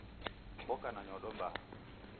Oka na nyodo mbaha.